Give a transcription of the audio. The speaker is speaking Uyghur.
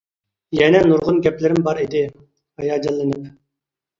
يەنە نۇرغۇن گەپلىرىم بار ئىدى، ھاياجانلىنىپ.